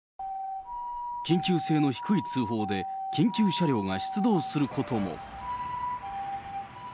緊急性の低い通報で緊急車両が出動することも。